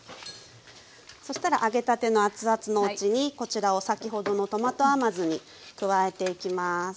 そしたら揚げたての熱々のうちにこちらを先ほどのトマト甘酢に加えていきます。